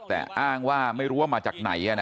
แต่อ้างว่าไม่รู้ว่ามาจากไหน